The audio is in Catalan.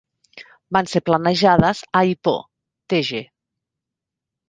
Van ser planejades a Ipoh, Tg.